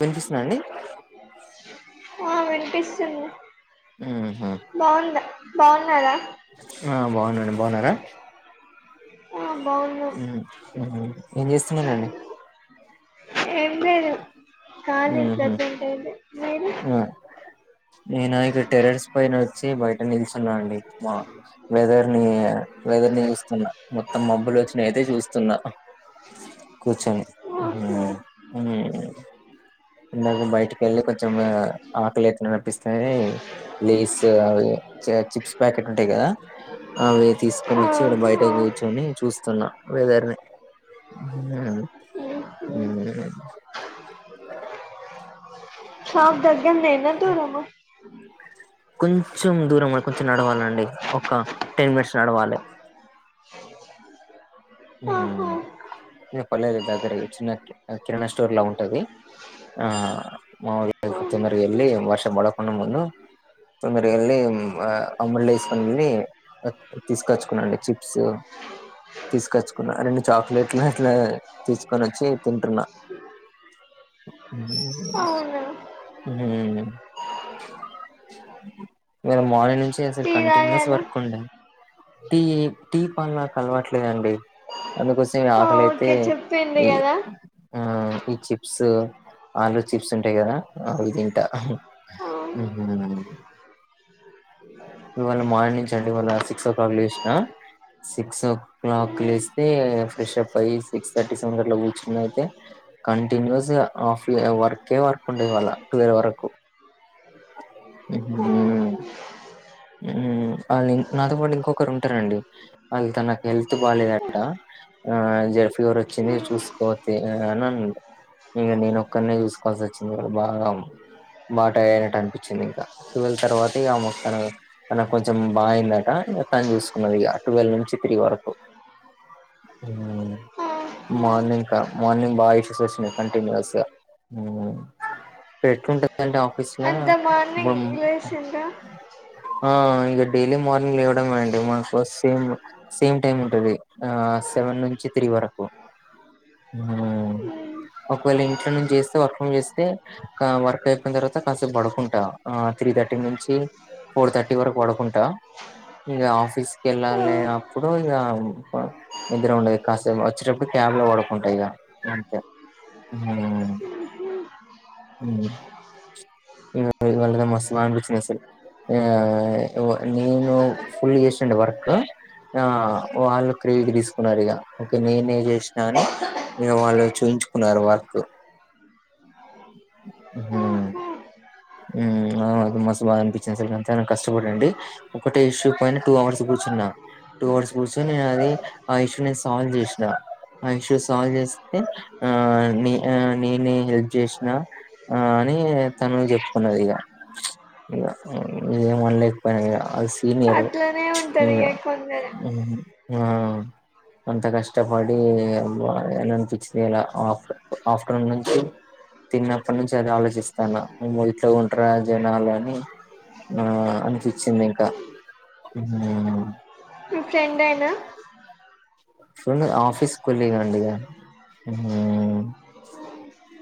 వినిపిస్తున్నా అండి ఆ వినిపిస్తుంది ఉహా బాగున్నా బాగున్నారా ఆ బాగునండి బాగున్నారా ఆ బాగున్నం ఏం చేస్తున్నారండి ఏం లేదు కాలేజ్ ఊహు ప్రజెట్ అయితే మిది ఆ నేను ఇక టెరర్స్ పైన వచ్చి బయట నిల్చున్నా అండి మా వెదర్ ని వెదర్ ని చూస్తున్నా మొత్తం మబ్బులు వచ్చినయితే చూస్తున్నా కూచొని హు ఆహా హు ఇందాక బయటికేళ్ళి కొంచెం ఆకలి అయితున్నట్ అనిపిస్తే లేస్ అవి చిప్స్ ప్యాకెట్ ఉంటాయి కదా అవి తీసుకొనోచ్చి ఇడ బయటే ఆహా కూర్చొని చూస్తున్నా వేదర్ నీ హు ఉహ్ అ షాప్ దగ్గరనేనా దూరమా కొంచెం దూరం కొంచెం నడవాలండి ఒక టెన్ మినిట్స్ నడవాలి స ఆ పర్లేదు దగ్గరే ఇ చిన్న కిరాణా స్టోర్ లా ఉంటది ఆ మామూలుగా కొంచెం ఉహు. తొందరగా ఎల్లి వర్షం పడక ముందు తొందరగా వెళ్ళి అమ్బ్రెల్ల వేసుకొనేళ్ళి తీసుకొచ్చుకున్నాండి చిప్స్ తీసుకొచ్చుకున్నా రెండు చాక్లెట్లు అట్లా తీసుకొని వచ్చి తింటున్నా అవునా హు మీరు మార్నింగ్ నుంచి అసలు టీ కంటిన్యూస్ తాగాను వర్క్ ద్ ఈ టీ పాల్ నాక్ అలవట్లేదండి అందుకోసే ఆకలయితే ఓకే చెప్పిండ్రు ఈ కదా ఆ ఈ చిప్స్ ఆలూ చిప్స్ ఉంటాయి కదా అవి తింట ఆ. [unintelligible] ఇవాళ మార్నింగ్ నుంచి అండి ఇవాళ సిక్స్ ఓ క్లాక్ లేశిన సిక్స్ క్లాక్కు ఉమ్. లేస్తే fresh up five six thirty seven కట్లా కూర్చున్నయితే కంటిన్యూస్ గా ఆఫ్ వర్కే వర్క్ ఇవాళా ట్వెల్వ్ వరకు హు ఆహా. ఉహ్ వాళ్ళు నాతో పాటు ఇంకొకరు ఉంటారండి వాళ్ళు తనకి హెల్త్ బాలేదంట ఆ జార ఫీవర్ వచ్చింది ఉమ్. చూసుకోతే అని అన్నార్ ఇక నేను ఒక్కడినే చూసుకోవాల్సి వచ్చింది వాళ భాగం బాట టైర్డ్ అయినట్టు అనిపించింది ఇంగా ట్వెల్వ్ తర్వాత ఇగా ఆమె ఒకటనే తనకి కొంచెం బాయిందట తను చూసుకున్నది ఇక ట్వెల్వ్ నుంచి త్రీ వరకు హుమ్మ్ ఆహా. మార్నింగ్ క మార్నింగ్ బాగా ఇషస్ వచ్చినాయి కంటిన్యూస్ గా ఇప్పుడు ఎట్లుంటాడంటే ఆఫీస్ లో అంత ఇప్పుడు మార్నింగ్ లేసిండ్రా ఆ ఇంగ డైలీ మార్నింగ్ లెవ్వడమే అండి మన ఫస్ట్ సేమ్ సేమ్ టైమ్ ఉంటది ఆ సెవెన్ నుంచి త్రీ వరకు ఒకవేళ ఇంట్లో నుంచి చేస్తే వర్క్ ఫ్రమ్ చేస్తే యితే ఇక్క వర్క్ అయిపోయిన తర్వాత కాసేపు పడుకుంటా ఆ త్రీ థర్టీ నుంచి ఫోర్ థర్టీ వరకు పడుకుంటా ఇగ ఆఫీస్ కెళ్ళాలి అప్పుడు ఇగ పడ్ నిద్ర ఉండదు కాసేపు వచ్చేటప్పుడు క్యాబ్ లో పడకుంటా ఇగ అంతే ఉమ్ ఉమ్ [inaudible] వాళ్ళది మస్త్ బాద అనిపిచ్చింది అసల్ ఆ నేను ఫుల్ చేస్తుండే వర్క్ ఆ వాళ్ళు క్రెడిట్ తీసుకున్నారు ఇక ఓకే నేనే చేసినా అని ఇగ వాళ్ళు చూయించుకున్నారు వర్క్ హుమ్మ్ ఆహా వ్వు అవునవును మస్త్ బాద అనిపించిన సరే ఎంతైనా కష్టపడండి ఒకటే ఇష్యూ పైన టూ అవర్స్ కూర్చున్నా టూ అవర్స్ కూర్చొని నేను అది ఆ ఇష్యూ నేను సాల్వ్ చేసినా ఆ ఇష్యూ సాల్వ్ చేస్తే ఆ నే నేనే హెల్ప్ చేస్నా ఆ అని తను చెప్ ది ఇగ ఇగ ఏం అనలేకపోయినా ఇగ అసి సీనియరు అట్లనే ఇగ ఉంటది కొందరు ఆ అంత కష్టపడి [unintelligible] అనిపిచింది ఆఫ ఆఫ్టర్నూన్ నుంచి తిన్నప్పటి నుంచి అదే ఆలోచిస్తాన్న ఇట్ ఉంటరా జనాలు అని ఆ అనిపించింది ఇంకా హుమ్మ్ మీ ఫ్రెండెనా ఫున్ ఆఫీస్ కోలిగ్ అండి ఇగ హ్మ్మ్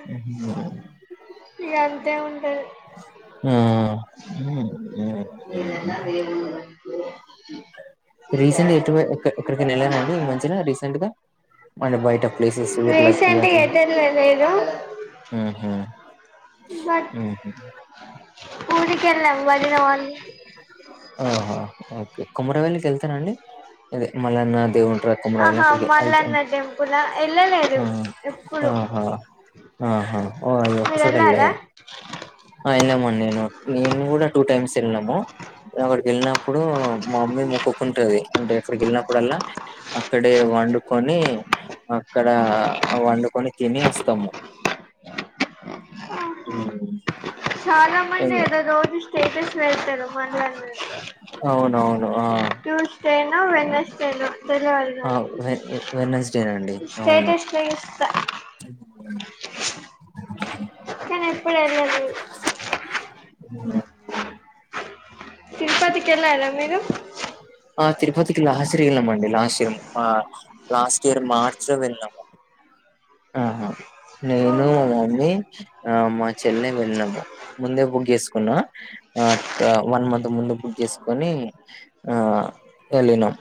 హు ఇగ అంతే ఉంటది ఆ ఉ ఏదైనా రీసెంట్ ఎటు ఎక్కడికైన వెళ్ళార అండి ఈ మధ్యన ఆ రీసెంట్ గా అంటే బయట ప్లేసెస్ ఊర్లకి రీసెంట్ గా అట్ల ఎటు ఎళ్ళలేదు ఉహు బట్ ఊరికెళ్ళ వదిన వాళ్ళ ఇంట్ ఆహా ఓకే కుమరవలికి వెళ్తారా అండి అదే మల్లన్న దేవున్ ఆహా కుమారవలి ఆల్తే మల్లన్న అంతే టెంపుల్ ఆ ఎళ్ళలేదు ఎప్పుడు ఆ ఆహా ఆహా ఆ అయి ఒక మీరు సోటలె ఎళ్ళారా ఆ వెళ్ళామండి నేను నేను కూడా టూ టైమ్స్ వెళ్నము అక్కడికి వెళ్ళినప్పుడు మా మమ్మీ మొక్కుకుంటది అంటే అక్కడికి వెళ్ళినప్పుడల్లా అక్కడే వండుకొని అక్కడ వండుకొని తిని వస్తాము ఎ చాలా మంది ఏదో రోజు స్టేటస్ పెడ్తరు మనలని అవునవును ఆ ట్యూస్డే న వెన్స్డే న తెల్వదు ఆ నాక్ వె వెనస్డేనండి స్టేటెస్ వేస్తా మ్మ్ కానీ ఎప్పుడు ఎల్లేద్ అహ్ తిరుపతికి ఎల్లారా మీరు ఆ తిరుపతికి లాస్ట్ ఇయర్ వెళ్ళామండి last year last year March లో వెళ్నాము ఆహా నేను ఓహో మా మమ్మీ ఆ మా చెల్లై వెళ్నాము ముందే బుక్ చేసుకున్న ఆ వన్ మంత్ ముందు బుక్ చేసుకొని ఆ ఎ ల్లినం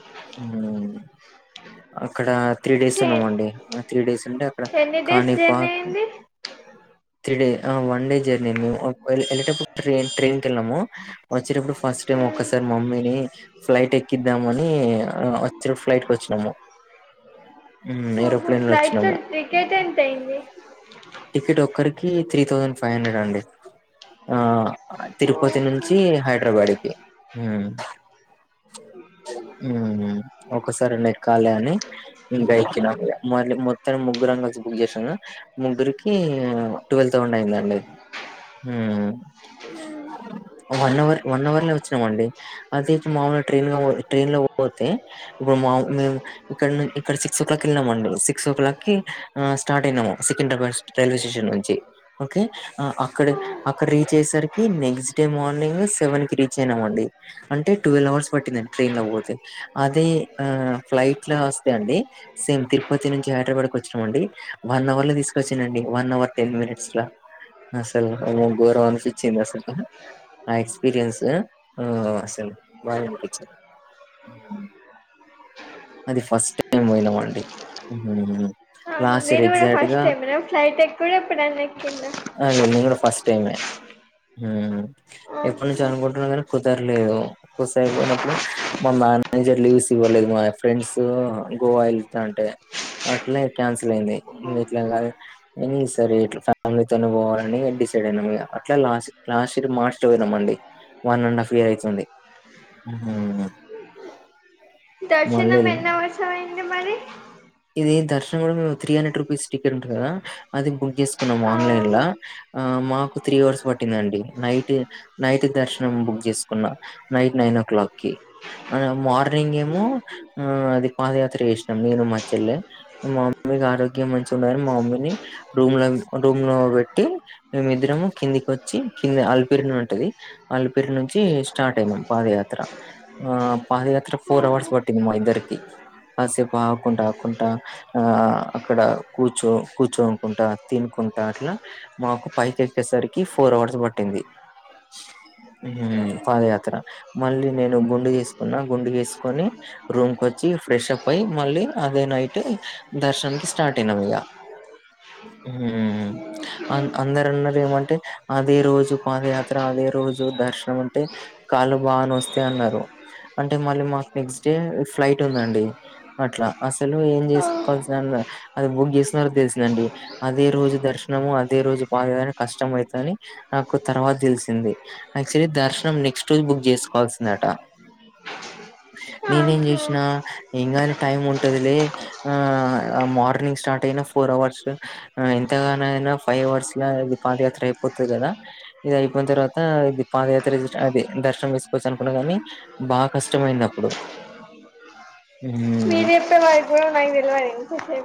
అక్కడ త్రీ డేస్ ఉన్నామ్ అండి ఆ త్రీ డేస్ ఉంటే అక్కడ ఎన్ని డేస్ జర్నీ కానీపాక్. అయింది three day one day journey అ మేము వెళ్ళేటప్పుడు ట్రైన్ ట్రైన్కి వెళ్ళాము. వచ్చేటప్పుడు ఫస్ట్ టైం ఒక్కసారి మమ్మీని. ఫ్లైట్ ఎక్కిద్దామ్ అని వచ్చిన ఫ్లైట్ కి వచ్చినాము. మ్ మీరు. ఫ్లైట్లొ టికెట్ ఎంత అయింది. టికెట్ ఒక్కరికి త్రీ థౌజండ్ ఫైవ్ హండ్రెడ్ అండి. ఆ తిరుపతి ఓహో నుంచి హైదరాబాద్ కి. ఒసారి ఎల్లలి అని. గైకి మళ్ళీ మొత్తం ముగ్గురుం కలిసి బుక్ చేసాము ముగ్గురికి ట్వెల్ తౌసెండ్ అయిందండి. వన్ అవర్ వన్ అవర్ లో వచ్చినమ అండి. అద మాముూలుగా ట్రైన్ ట్రైన్ లో పోతే ఇప్పుడు మా మేము. ఇక్కడ ను ఇక్కడ సిక్స్ ఓ క్లాక్ వెళ్ళాం అండి సిక్స్ ఓ క్లాక్ కి స్టార్ట్ అయినాము సికింద్రాబాద్. రైల్వే స్టేషన్ నుంచి ఓకే. అక్కడ అక్కడ రీచ్ అయ్యేసరికి నెక్స్ట్ డే మార్నింగ్ సెవెన్ కి రీచ్ అయినాం అండి. అంటే ట్వెల్వ్ అవర్స్ పట్టిందండి ట్రైన్ లో పోతే అదే ఆ ఫ్లైట్ లో వస్తే అండి. సేమ్ తిరుపతి నుంచి హైదరాబాద్ కు వచ్చినామండి వన్ అవర్ లో తీసుకొచ్చానండి వన్ అవర్ టెన్ మినిట్స్. అసలు గోరం అనిపించ్చింది అసలు ఆ ఎక్స్పీరియన్స్ అసలు బాగుందనిపించింది ్ అది ఫస్ట్ టైం పోయినాం అండి. లాస్ట్ ఇయర్ మీరు కూడా ఎగ్జాక్ట్ ఫస్ట్ గా టైమ్ ఎన ఫ్లైట్ ఎక్కువైనాయి ఎక్కిండ్ర లేద్ నేగన్ కూడా ఫస్ట్ టైమ్ మ్. ఎప్పుడు నుంచి ఆహా అనుకుంటున్నా కానీ కుదరలేదు. ఒక్కసరిపోయినప్పుడు మా మేనేజర్ లీవ్స్ ఇవ్వలేదు మా. ఫ్రెండ్స్ గోవా వెళ్తుాంటే అట్లానే క్యాన్సిల్ అయింది ఇట్లా కాదు. న సరే ఇలా ఫ్యామిలీతోనే పోవాలని డిసైడ్ అయినా అట్లా లాస్ట్. క్లాస్ మార్చలో పోదాం అండి వన్ అండ్ హాఫ్ ఇయర్ అయితుంది. దర్శనం మళ్ళీ ఎన్న వసవైంది మరి. ఇది దర్శన్ం కూడా మేము త్రీ హండ్రెడ్ రూపీస్ టికెట్ ఉంటుంది కదా అది బుక్ చేసుకున్నాం ఆన్లైన్ లో. ఆహా ఆ మాకు త్రీ అవర్స్ పట్టిందండి నైట్ నైట్ దర్శనం బుక్ చేసుకున్న. నైట్ నైన్ ఓ క్లాక్కి అ మార్నింగ్ ఏమో ఆ అది పాదయాత్ర చేసినాం నేను మా చెల్లె మా మమ్మీకి ఆరోగ్యం మంచిగా ఉండదని మా మమ్మీని రూమ్ లో రూమ్ లో పెట్టి మేమిద్దరము కిందికి వచ్చి కింది అలిపిరిన ఉంటది అలిపెరి నుంచి స్టార్ట్ అయినాం పాదయాత్ర. ఆ పాదయాత్ర ఫోర్ అవర్స్ పట్టంది మా ఇద్దరికి కాసేపు ఆగు కుంటా ఆ అక్కడ కూర్చో కూర్చోనుకుంటా తినుకుంటా అట్లా. మాకు పైకి వచ్చేసరికి ఫోర్ అవర్స్ పట్టింది. మ్ పాదయాత్ర మళ్ళీ నేను గుండు గీసుకున్నా గుండె చేసుకొని రూమ్ కు వచ్చి ఫ్రెష్ అప్ అయి మళ్ళీ అదే నైట్ దర్శననికి స్టార్ట్ అయినాం ఇక అ ఆ అందరన్నరు ఏమంటే అదే రోజు పాదయాత్ర అదే రోజు దర్శనం అంటే కాళ్ళు బాగా నొస్తాయి అన్నారు. అంటే మళ్ళీ మాకు నెక్స్ట్ డే ఫ్లైట్ ఉందండి అట్లా అసలు ఏం ఓ చేసుకోవాల్సిన అది బుక్ చేస్తున్నారో తెలిసిందండి. అదే రోజు దర్శనము అదే రోజు పాదయాత్ర కష్టం అవుతదని నాకు తర్వాత తెలిసింది యాక్చువలీ దర్శనం నెక్స్ట్ రోజు బుక్ చేసుకోవాల్సిందట. నేనేం ఆహా చేసినా ఏం కాదులే టైం ఉంట దిలే ఆ మార్నింగ్ స్టార్ట్ అయిన ఫోర్ అవర్స్ ఎంతగానయినా ఫైవ్ అవర్స్ లా ఇది పాదయాత్ర అయిపోతది కదా ఇది అయిపోయిన తర్వాత ఇది పాదయాత్ర అది దర్శనం వేసుకోవచ్చు అనుకున్న కానీ బాగా కష్టమైంది అప్పుడు ఉమ్ వ కూడా నాకు తెలువది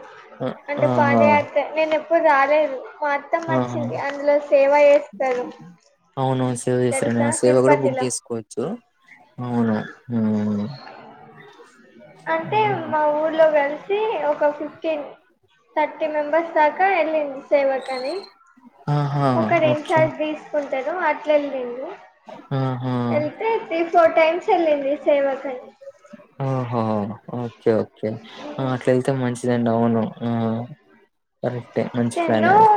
అంటే పాద ఆహా [unintelligible] నేను ఎప్పుడు రాలేదు మా అత్తమ్మ ఆ వచ్చింది అందులో సేవ చేస్తాది అవునవును సేవ చేస్తారండి ఆ సేవ కూడా బుక్ చేసుకో వచ్చు అవును ఆ అంటే మా ఊర్లో కలిసి ఒక ఫిఫ్టీన్ థర్టీ మెంబెర్స్ దాకా వెళ్ళింది సేవకని ఆహా ఒక రెండు ఓకే సార్లు తీసు కుంటారు అట్ల వెళ్ళింది ఆహా వెళ్తే ఫోర్ టైమ్స్ వెళ్ళింది సేవ కి అని ఆహో ఓకే ఓకే అట్లాళ్తే మంచిదండి అవును కరెక్టే మంచి టెన్ ప్లానే అది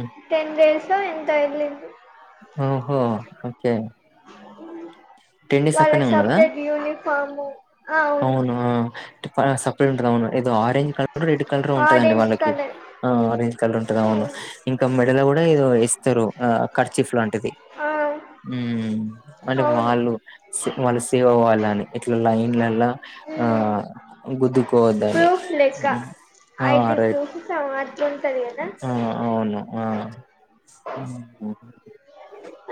ఉమ్. టెన్ డేస్ ఎంతో వెళ్ళింది ఆ ఓహో ఓకే టెన్ డేస్ అక్కనే వాళ్ళకి ఉన్నాదా సపరేట్ యూనిఫాము అవును ఆ సపరేట్ ఉంటారు అవును ఏదో ఆరంజ్ కలర్ రెడ్ కలర్ ఉంటదండి ఆరెంజ్ వాళ్ళకి కలర్ ఆ ఆరెంజ్ కలర్ ఉంటది అవును ఇంకా మెడల కూడా ఏదో వేస్తారు ఆ కర్చిఫలులాంటిది ఆ అంటే అవును వాళ్ళు వాళ్ళు సేవా వాళ్లు అని ఇట్లా లైన్లలా ఆ గుదుకువద్దని ప్రూఫ్ లెక్క ఆ ఐడి రైట్ ప్రూఫ్ అట్లుంటది కదా అవును ఆ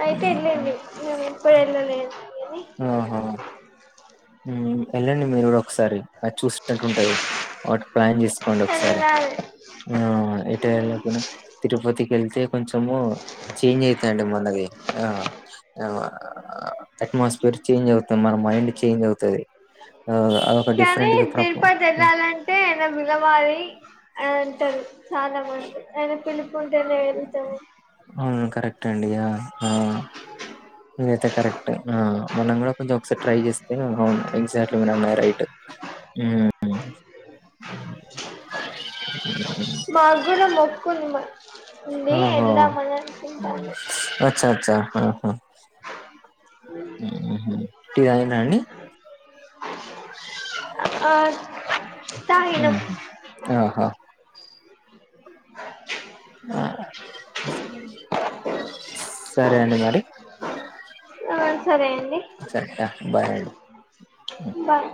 అయితే వెళ్ళింది ఎప్పుడు వెళ్ళలేదు అని ఆహా వెళ్ళండి మీరు కూడా ఒకసారి అది చూసినట్టు ఉంటది వాటి ప్లాన్ చేసుకోండి ఒకసారి వెళ్ళాలి ఆ ఇటు వెళ్లిన కూడా తిరుపతికి ఎళ్తే కొంచము చేంజ్ అయితాదండి మనది ఆ ఆ అట్మాస్పియర్ చేంజ్ అవుతుంది మన మైండ్ చేంజ్ అవుతది ఆ అదొక కానీ డిఫరెంట్ గా ప్రాబ్లం తిరుపతి ఎళ్ళాలం టే ఆయన పిలవాలి అంటారు చాలా మంది ఆయన పిలు టు ఉంటేనే వెళ్తాము అవును కరెక్టే అండి యా అవును ఏదైతే కరెక్ట్ ఆ మనం కూడా కొంచెం ఒకసారి ట్రై చేస్తే అవును ఎగ్జాక్ట్లీ మేడం నా రైట్ మాగ్గునా మొక్కుంది ఉంది ఓహో వెళ్దామని అనుకుంటానం అచ్చా అచ్చా ఆ ఆ మ్మ్ఉహ్మ్ టీ తాగిళ్ళాండి ఆ తాగినం మ్మ్ఉహ్మ్ ఆహా ఆ సరే అండి మరి ఆ సరే అండి సరే బాయ్ అండి బాయ్